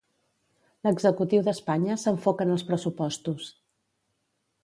L'executiu d'Espanya s'enfoca en els pressupostos.